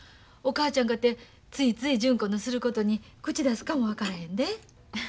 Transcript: お母ちゃんかてついつい純子のすることに口出すかも分からへんで。